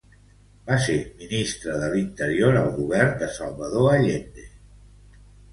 Va ser ministre de l'interior al govern de Salvador Allende.